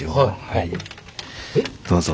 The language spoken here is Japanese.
どうぞ。